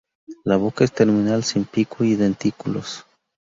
La boca es terminal, sin pico y dentículos.